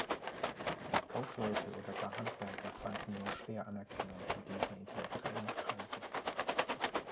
Kaufleute oder gar Handwerker fanden nur schwer Anerkennung in diesen intellektuellen Kreisen.